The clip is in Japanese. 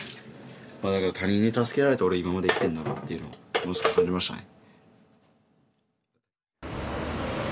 まあだから他人に助けられて俺今まで生きてんだなっていうのをものすごく感じましたね。